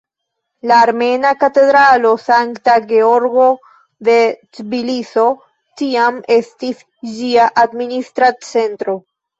La armena katedralo Sankta Georgo de Tbiliso tiam estis ĝia administra centro.